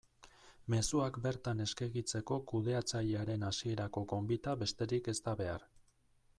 Mezuak bertan eskegitzeko kudeatzailearen hasierako gonbita besterik ez da behar.